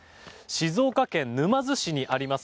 静岡県沼津市にあります